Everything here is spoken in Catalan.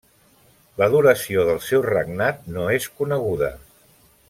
La duració del seu regnat no és coneguda.